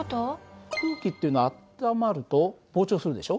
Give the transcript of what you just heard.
空気っていうのは温まると膨張するでしょ。